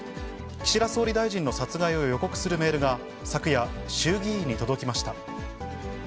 岸田総理大臣の殺害を予告するメールが、昨夜、衆議院に届きました。